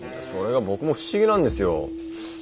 それが僕も不思議なんですよ。